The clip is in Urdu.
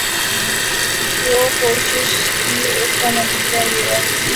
جو کوشش کی اس کا نتیجہ یہ ہے ۔